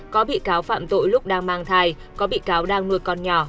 có bị cáo phạm tội lúc đang mang thai có bị cáo đang nuôi con nhỏ